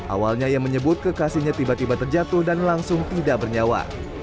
awalnya ia menyebut kekasihnya tiba tiba terjatuh dan langsung tidak bernyawa